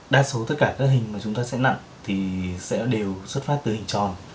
đa số tất cả các hình mà chúng ta sẽ nặng thì sẽ đều xuất phát từ hình tròn